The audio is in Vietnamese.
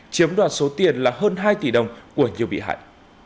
chiếm đoạt số tiền là hơn hai tỷ đồng của nhiều bị hại